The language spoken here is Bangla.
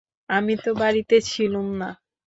আমি তো বাড়িতে ছিলুম না।